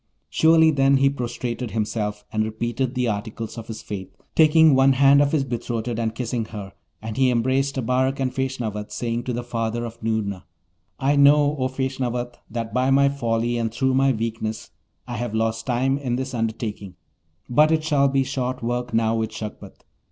Surely, then he prostrated himself and repeated the articles of his faith, taking one hand of his betrothed and kissing her; and he embraced Abarak and Feshnavat, saying to the father of Noorna, 'I know, O Feshnavat, that by my folly and through my weakness I have lost time in this undertaking, but it shall be short work now with Shagpat.